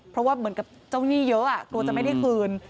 เพราะว่าเหมือนกับเจ้าหนี้เยอะกลัวจะไม่ได้คืน